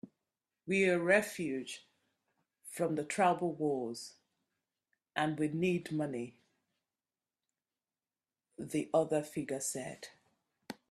"We're refugees from the tribal wars, and we need money," the other figure said.